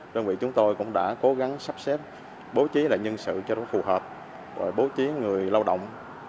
đơn vị chúng tôi cũng đã cố gắng sắp xếp bố trí lại nhân sự cho nó phù hợp bố trí người lao động